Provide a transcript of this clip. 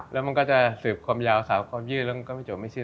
แล้วมันก็จะสืบความยาวสาวความยืดแล้วมันก็ไม่จบไม่สิ้น